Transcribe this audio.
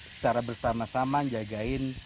secara bersama sama menjaga